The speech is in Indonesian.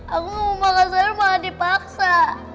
aku mau makan sayur malah dipaksa